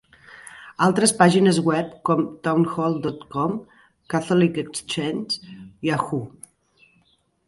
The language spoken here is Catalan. Altres pàgines web com Townhall dot com, Catholic Exchange, Yahoo!